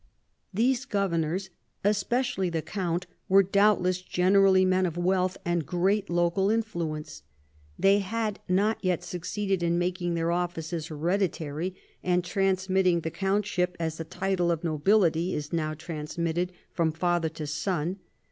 These governors, especially the count, were doubtless generally men of wealth and great local influence. They had not yet succeeded in making their offices hereditary and transmitting the count ship, as a title of nobility is now transmitted, from father to son.